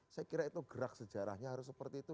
saya kira itu gerak sejarahnya harus seperti itu